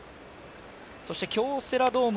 そして京セラドーム